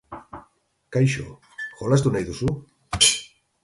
Kaixo, jolastu nahi duzu?